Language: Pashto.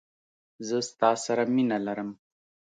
زه ستا سره مینه لرم.